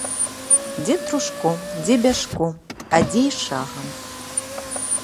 Дзе трушком, дзе бяжком, а дзе й шагам.